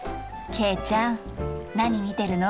慶ちゃん何見てるの？